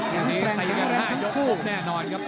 แค่แค่แค่แค่แค่แน่นอนครับ